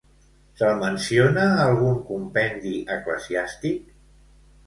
Se'l menciona a algun compendi eclesiàstic?